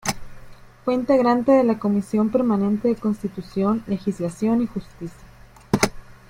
Fue integrante de la Comisión Permanente de Constitución, Legislación y Justicia.